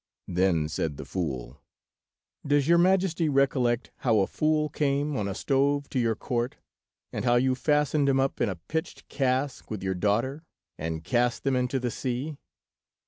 Then said the fool— "Does not your majesty recollect how a fool came on a stove to your court, and how you fastened him up in a pitched cask with your daughter, and cast them into the sea?